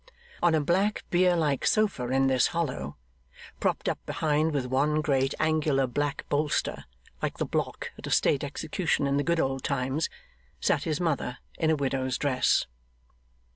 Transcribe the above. On a black bier like sofa in this hollow, propped up behind with one great angular black bolster like the block at a state execution in the good old times, sat his mother in a widow's dress.